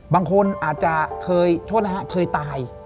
บางคนอาจจะเคยโทษนะฮะเคยตาย